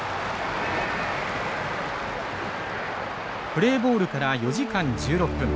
プレーボールから４時間１６分。